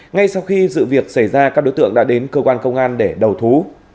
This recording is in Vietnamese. ngay sau khi sự việc xảy ra các đối tượng đã đến cơ quan công an để đầu thú